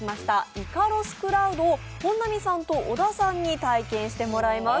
イカロスクラウドを本並さんと小田さんに体験してもらいます。